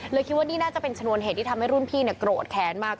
คิดว่านี่น่าจะเป็นชนวนเหตุที่ทำให้รุ่นพี่โกรธแค้นมาก